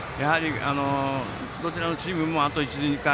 どちらのチームもあと１２回